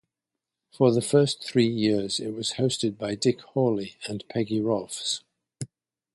For the first three years, it was hosted by Dick Hawley and Peggy Rolfes.